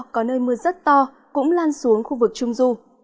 có nơi mưa rất to cũng lan xuống khu vực trung du